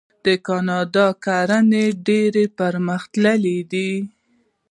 د کاناډا کرنه ډیره پرمختللې ده.